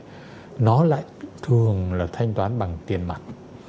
các cái sàn nó lại thường là thanh toán bằng tiền mặt